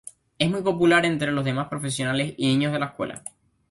Es muy popular entre los demás profesores y niños de la escuela.